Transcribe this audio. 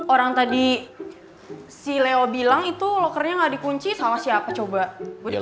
orang tadi si leo bilang itu lockernya gak dikunci salah siapa coba gue kasih tau